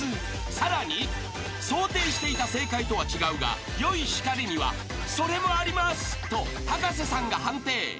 ［さらに想定していた正解とは違うが良い叱りには「それもあります」と葉加瀬さんが判定］